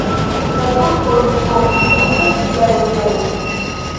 La turkoj ne povis okupi la regionon.